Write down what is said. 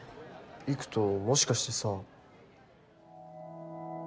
偉人もしかしてさ。